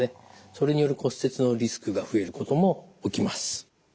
それによる骨折のリスクが増えることも起きます。